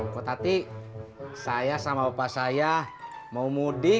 kok tati saya sama bapak saya mau mudik